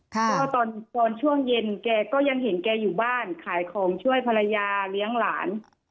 เพราะว่าตอนช่วงเย็นแกก็ยังเห็นแกอยู่บ้านขายของช่วยภรรยาเลี้ยงหลาน